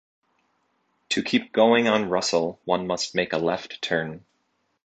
To keep going on Russell, one must make a left turn.